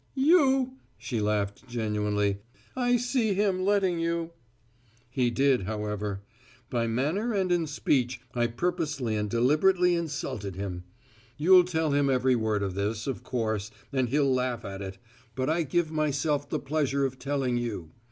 "You!" She laughed, genuinely. "I see him letting you!" "He did, however. By manner and in speech I purposely and deliberately insulted him. You'll tell him every word of this, of course, and he'll laugh at it, but I give myself the pleasure of telling you.